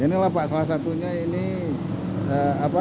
ini lah pak salah satunya ini apa